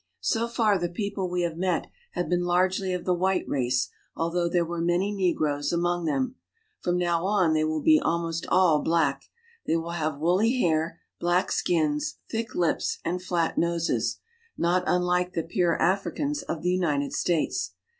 So far the people we have met have been largely of the ] tarhiterace, although there were many negroes among them. m now on they will be almost all black. They will a woolly hair, black skins, thick lips, and flat noses, not inlike the pure Africans of the United States.